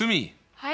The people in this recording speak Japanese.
はい。